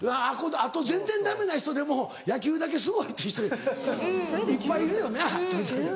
あと全然ダメな人でも野球だけすごいっていう人いっぱいいるよな鳥谷。